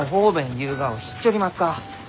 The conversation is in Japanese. ゆうがを知っちょりますか？